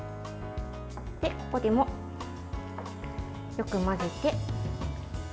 ここでも、よく混ぜて。